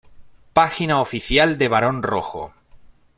Página oficial de Barón Rojo